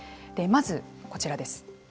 まず、こちらです。